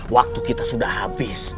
waktu kita sudah habis